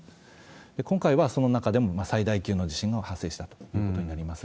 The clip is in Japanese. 今回はその中でも最大級の地震が発生したということになります。